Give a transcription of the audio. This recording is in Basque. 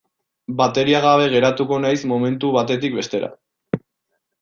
Bateria gabe geratuko naiz momentu batetik bestera.